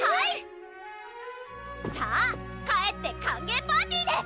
さぁ帰って歓迎パーティーです！